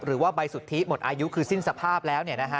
หรือว่าใบสุทธิหมดอายุคือสิ้นสภาพแล้ว